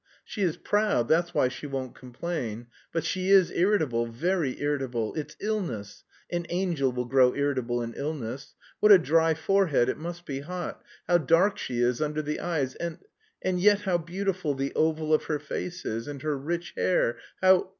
She is proud, that's why she won't complain. But she is irritable, very irritable. It's illness; an angel will grow irritable in illness. What a dry forehead, it must be hot how dark she is under the eyes, and... and yet how beautiful the oval of her face is and her rich hair, how..."